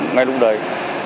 ngay lúc đấy